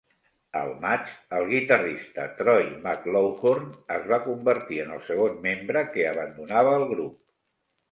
Al maig, el guitarrista Troy McLawhorn es va convertir en el segon membre que abandonava el grup.